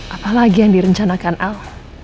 apalagi yang direncanakan al